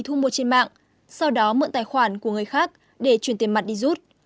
thu mua trên mạng sau đó mượn tài khoản của người khác để chuyển tiền mặt đi rút